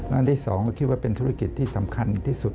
อันที่๒ก็คิดว่าเป็นธุรกิจที่สำคัญที่สุด